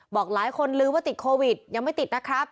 บอกหลายคนลืมว่าติดโควิดยังไม่ติดนะครับ